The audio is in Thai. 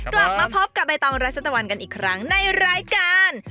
กลับมาพบกับใบตองรัชตะวันกันอีกครั้งในรายการ